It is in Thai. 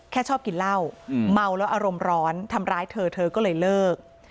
ชอบกินเหล้าเมาแล้วอารมณ์ร้อนทำร้ายเธอเธอก็เลยเลิก